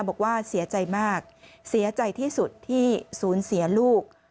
บอกว่าเสียใจมากเสียใจที่สุดที่สูญเสียลูก